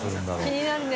気になるね。